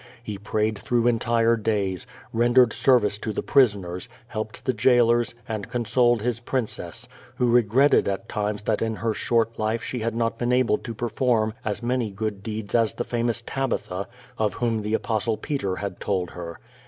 He prayed through entire days, rendered 8er\'ice to the pris oners, helped the jailers, and consoled his princess, who re gretted at times that in her short life she had not been able to perform as many good deeds as the famous Tabitha, of 468 Q^O VADIS. whom the Apostle Peter had told her.